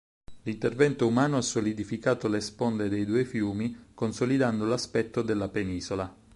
L'intervento umano ha solidificato le sponde dei due fiumi, consolidando l'aspetto della penisola.